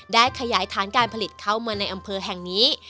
ได้ขยายฐานการผลิตเข้ามาในอำเภอแห่งนี้